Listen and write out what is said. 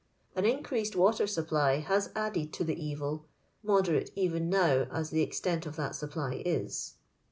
An increased water supply has added to the evil, inoderate even now as the extent of that supply is."